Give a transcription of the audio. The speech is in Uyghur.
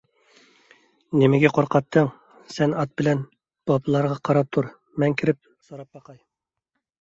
نېمىگە قورقاتتىڭ، سەن ئات بىلەن بوپىلارغا قاراپ تۇر، مەن كىرىپ سوراپ باقاي.